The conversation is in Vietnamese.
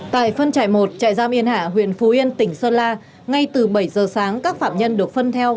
tại phân trải một trại giam yên hạ huyện phú yên tỉnh sơn la ngay từ bảy giờ sáng các phạm nhân được phân theo